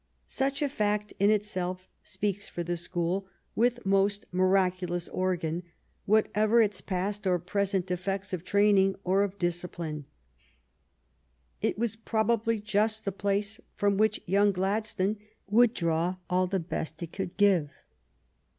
Such a fact in itself speaks for the school "with most miracu lous organ," whatever its past or present defects of training or of discipline. It was probably just the place from which young Gladstone would draw all the best it could give.